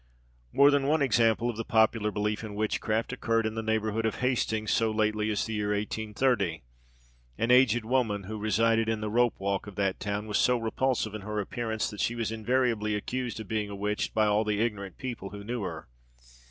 More than one example of the popular belief in witchcraft occurred in the neighbourhood of Hastings so lately as the year 1830. An aged woman, who resided in the Rope walk of that town, was so repulsive in her appearance, that she was invariably accused of being a witch by all the ignorant people who knew her.